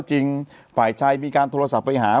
ฝ่ายชายมีการโทรศัพท์ไปหา